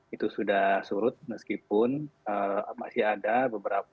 itu sudah surut meskipun masih ada beberapa